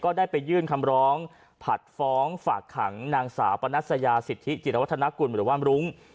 ได้ไปยื่นคำร้องผัดฟ้องฝากขังนางสาวปนัสยาสิทธิจิรวัฒนากุลหรือว่ามรุ้ง